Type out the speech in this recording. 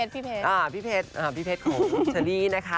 พี่เพชรพี่เพชรพี่เพชรของเชอรี่นะคะ